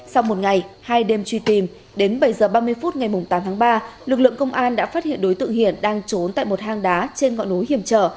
sau một ngày hai đêm truy tìm đến bảy h ba mươi phút ngày tám tháng ba lực lượng công an đã phát hiện đối tượng hiển đang trốn tại một hang đá trên ngọn núi hiểm trở